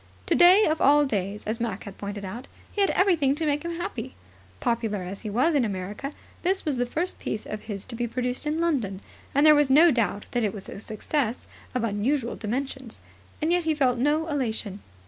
Today of all days, as Mac had pointed out, he had everything to make him happy. Popular as he was in America, this was the first piece of his to be produced in London, and there was no doubt that it was a success of unusual dimensions. And yet he felt no elation.